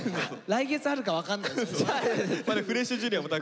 来月あるか分かんないですもんね。